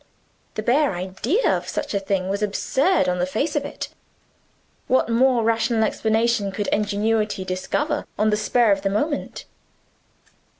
The bare idea of such a thing was absurd on the face of it. What more rational explanation could ingenuity discover on the spur of the moment?